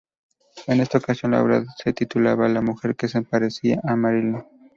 En esta ocasión, la obra se titulaba "La mujer que se parecía a Marilyn".